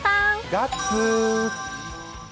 ガッツー。